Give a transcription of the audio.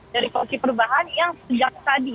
dari koalisi perubahan yang sejak tadi